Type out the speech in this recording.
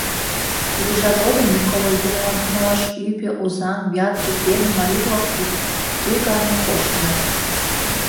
Кугыжа годым Миколо юмылан кумалаш Ӱпӧ, Озаҥ, Вятке, Пермь марий-влак кӱтӱ гане коштыныт.